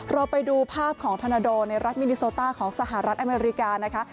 เราไปดูภาพของธนาโดในรัฐมินิโซต้าของสหรัฐอเมริกานะคะ